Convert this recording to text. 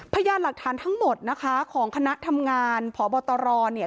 พยานหลักฐานทั้งหมดนะคะของคณะทำงานพบตรเนี่ย